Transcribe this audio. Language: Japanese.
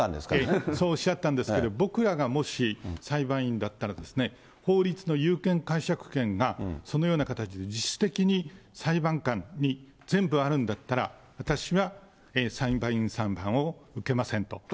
そうおっしゃったんですけどね、僕らがもし裁判員だったら、法律の有権解釈権がそのような形で自主的に裁判官に全部あるんだったら、私は裁判員裁判を受けませんと。